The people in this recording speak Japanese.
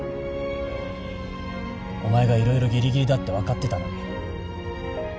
お前が色々ぎりぎりだって分かってたのに。